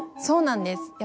そうなんです。